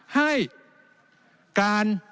ให้การ